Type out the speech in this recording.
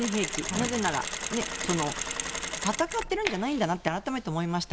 なぜなら、戦っているんじゃないんだなと改めて思いました。